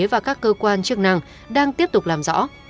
và các cơ quan chức năng đang tiếp tục làm rõ